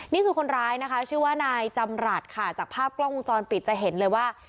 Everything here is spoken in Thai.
นี่คือคนร้ายนะคะชื่อว่านายจำรัฐค่ะจากภาพกล้องวงจรปิดจะเห็นเลยว่า